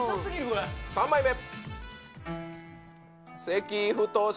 ３枚目。